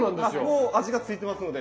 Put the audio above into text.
もう味がついてますので。